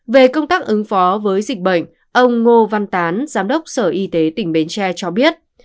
về công tác ứng phó với dịch bệnh ông ngô văn tán giám đốc sở y tế tỉnh bến tre cho biết